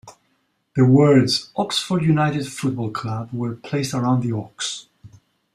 The words 'Oxford United Football Club' were placed around the ox.